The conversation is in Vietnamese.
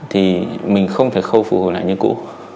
thì mình không thể khâu phục hồi lại như cũ